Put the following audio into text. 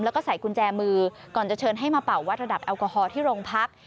แล้วก็ใส่กุญแจมือก่อนจะเชิญให้มาเป่าวัดระดับแอลกอฮอล์ที่โรงพัก